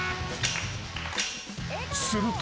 ［すると］